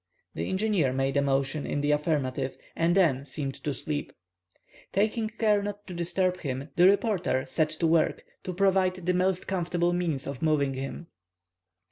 The engineer made a motion in the affirmative, and then seemed to sleep. Taking care not to disturb him, the reporter set to work to provide the most comfortable means of moving him.